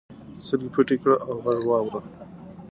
سترګې پټې کړه او غږ واوره.